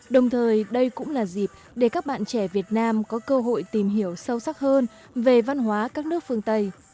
đồng thời đây cũng là dịp để các bạn trẻ việt nam có cơ hội tìm hiểu sâu sắc hơn về văn hóa các nước phương tây